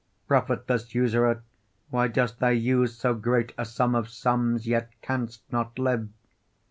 Profitless usurer, why dost thou use So great a sum of sums, yet canst not live?